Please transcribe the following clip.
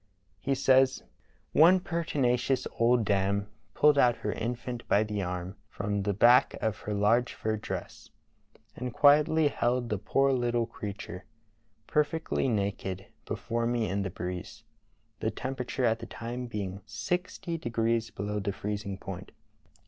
He says: "One pertinacious old dame pulled out her infant by the arm from the back of her large fur dress, and quietly held the poor little creature, perfectly naked, before me in the breeze, the temperature at the time i8o True Tales of Arctic Heroism being sixty degrees below the freezing point.